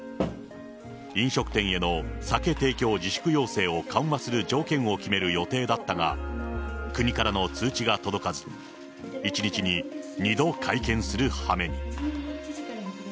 飲食店への酒提供自粛要請を緩和する条件を決める予定だったが、国からの通知が届かず、１日に２度会見するはめに。